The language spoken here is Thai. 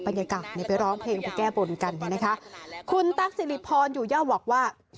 บรรยากาศเนี่ยไปร้องเพลงไปแก้บนกันเนี่ยนะคะคุณตั๊กสิริพรอยู่ย่าบอกว่า